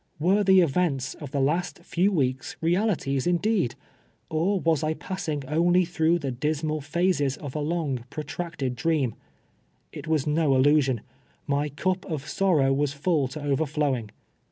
"Were the events of the last few weeks realities indeed ?— or was I passing only through the dismal phases of a long, protracted dream ? It was no illusion. My cup of sorrow was full to overflow ing.